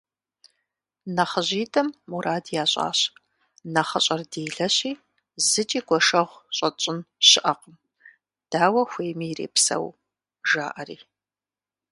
НэхъыжьитӀым мурад ящӀащ: «НэхъыщӀэр делэщи, зыкӀи гуэшэгъу щӀэтщӀын щыӀэкъым, дауэ хуейми ирепсэу», – жаӀэри.